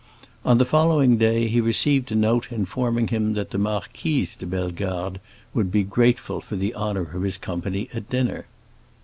On the following day he received a note informing him that the Marquise de Bellegarde would be grateful for the honor of his company at dinner.